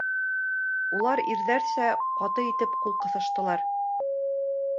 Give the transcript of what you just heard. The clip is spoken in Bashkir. Улар ирҙәрсә ҡаты итеп ҡул ҡыҫыштылар.